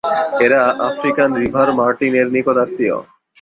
এরা African river martin এর নিকটাত্মীয়।